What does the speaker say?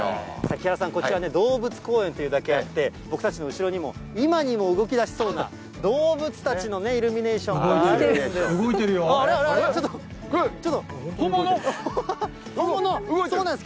木原さん、こちら、動物公園というだけあって、僕たちの後ろにも、今にも動きだしそうな動物たちのイルミネーションがあるんです。